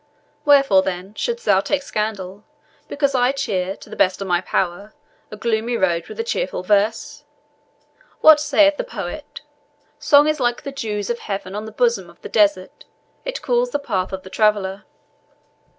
Wherefore, then, shouldst thou take scandal, because I cheer, to the best of my power, a gloomy road with a cheerful verse? What saith the poet, 'Song is like the dews of heaven on the bosom of the desert; it cools the path of the traveller.'"